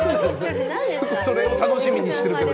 それを楽しみにしてるけど。